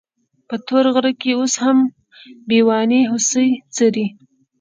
په تور غره کې اوس هم بېواني هوسۍ څري.